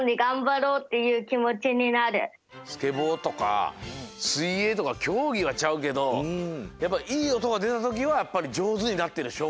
スケボーとかすいえいとかきょうぎはちゃうけどやっぱいいおとがでたときはやっぱりじょうずになってるしょうこなんだね。